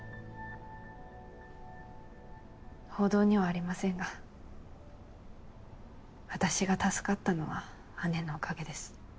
報道にはありませんが私が助かったのは姉のおかげです。